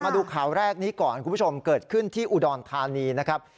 มาดูข่าวแรกนี้ก่อนคุณผู้ชมเกิดขึ้นที่อุดรธานีนะครับ